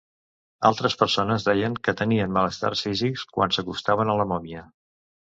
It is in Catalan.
Altres persones deien que tenien malestars físics quan s'acostaven a la mòmia.